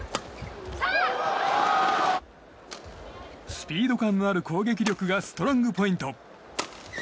スピード感のある攻撃力がストロングポイント。